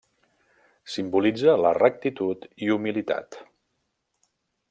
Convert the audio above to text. Simbolitza la rectitud i humilitat.